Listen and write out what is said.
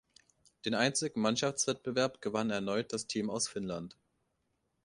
Den einzigen Mannschaftswettbewerb gewann erneut das Team aus Finnland.